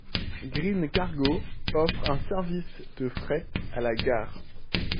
Green Cargo offre un service de fret à la gare.